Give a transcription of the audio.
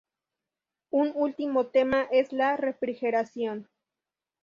Un último tema es la refrigeración.